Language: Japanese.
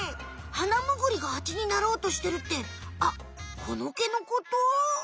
ハナムグリがハチになろうとしてるってあっこの毛のこと？